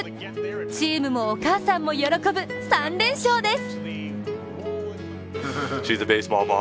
チームもお母さんも喜ぶ３連勝です。